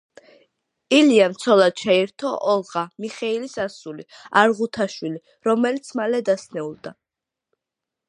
ილიამ ცოლად შეირთო ოლღა მიხეილის ასული არღუთაშვილი, რომელიც მალე დასნეულდა.